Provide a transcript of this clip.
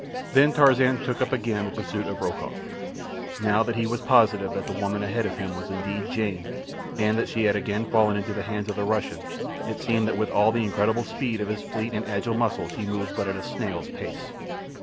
Then Tarzan took up again the pursuit of Rokoff. Now that he was positive that the woman ahead of him was indeed Jane, and that she had again fallen into the hands of the Russian, it seemed that with all the incredible speed of his fleet and agile muscles he moved at but a snail's pace.